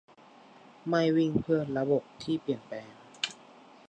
ไม่วิ่งเพื่อระบบที่เปลี่ยนแปลง